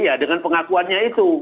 ya dengan pengakuannya itu